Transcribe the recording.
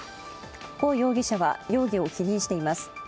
胡容疑者は容疑を否認しています。